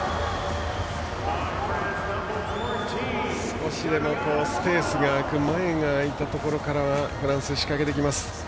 少しでもスペースが空く前が空いたところからフランス仕掛けてきます。